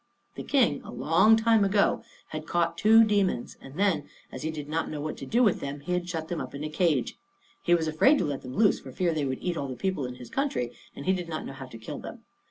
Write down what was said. The King a long time ago had caught two demons, and then, as he did not know what to do with them, he had shut them up in a cage. He was afraid to let them loose for fear they would eat up all the people in his country; and he did not know how to kill them.